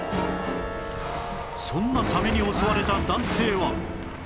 そんなサメに襲われた男性は